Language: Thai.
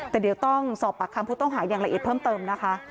แต่เดี๋ยวต้องสอบปากคำผู้ต้องหาอย่างละเอียดเพิ่มเติมนะคะ